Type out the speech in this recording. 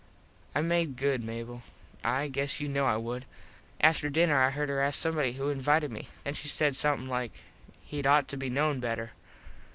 I made good, Mable. I guess you kno I would. After dinner I heard her ask somebody who invited me. Then she said somethin like "Hed ought to be known better."